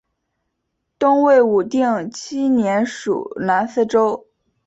东魏武定七年属南司州。